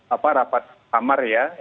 apa rapat kamar ya